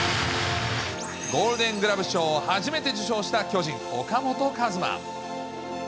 ゴールデン・グラブ賞を初めて受賞した巨人、岡本和真。